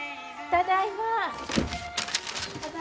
・ただいま。